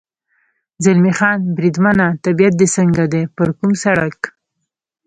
زلمی خان: بریدمنه، طبیعت دې څنګه دی؟ پر کوم سړک.